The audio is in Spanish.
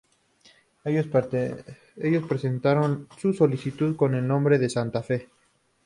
Ellos presentaron su solicitud con el nombre de "Santa Fe".